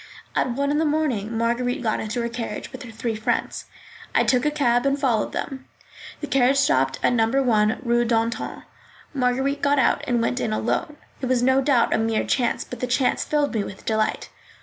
At one in the morning Marguerite got into her carriage with her three friends. I took a cab and followed them. The carriage stopped at No. 9, Rue d'Antin. Marguerite got out and went in alone. It was no doubt a mere chance, but the chance filled me with delight.